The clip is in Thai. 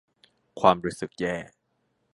ความรู้สึกแย่